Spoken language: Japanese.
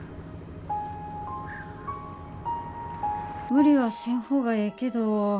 無理はせん方がええけど。